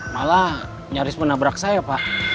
malah nyaris menabrak saya pak